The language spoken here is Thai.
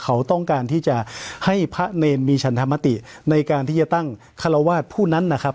เขาต้องการที่จะให้พระเนรมีชันธรรมติในการที่จะตั้งคารวาสผู้นั้นนะครับ